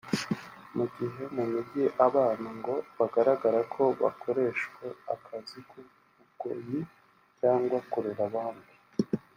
mu gihe mu mijyi abana ngo bagaragara ko bakoreshwa akazi k’ububoyi cyangwa kurera abandi